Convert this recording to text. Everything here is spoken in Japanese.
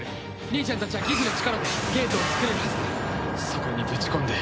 兄ちゃんたちはギフの力でゲートを作れるはずだ。